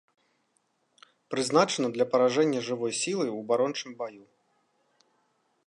Прызначана для паражэння жывой сілы ў абарончым баю.